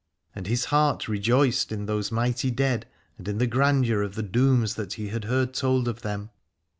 And his heart rejoiced in those 329 Aladore mighty dead and in the grandeur of the dooms that he had heard told of them.